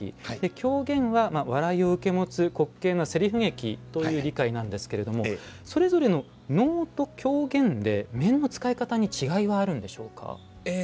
狂言は、笑いを受け持つ、滑稽なせりふ劇という理解なんですがそれぞれの能と狂言で面の使い方に違いはあるんでしょうか。